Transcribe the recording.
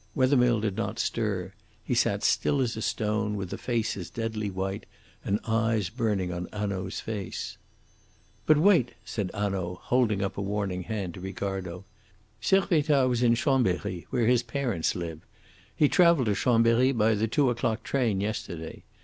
Wethermill did not stir. He sat still as a stone, with a face deadly white and eyes burning upon Hanaud's face. "But wait," said Hanaud, holding up a warning hand to Ricardo. "Servettaz was in Chambery, where his parents live. He travelled to Chambery by the two o'clock train yesterday.